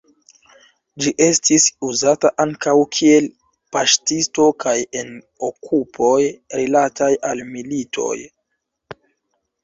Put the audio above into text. Ĝi estis uzata ankaŭ kiel paŝtisto kaj en okupoj rilataj al militoj.